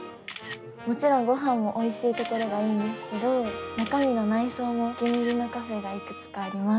もちろんごはんもおいしいところがいいんですけど中身の内装も、お気に入りのカフェがいくつかあります。